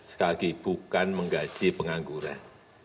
sekali lagi bukan menggaji pengangguran